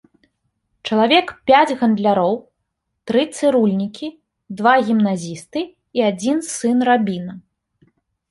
Чалавек пяць гандляроў, тры цырульнікі, два гімназісты і адзін сын рабіна.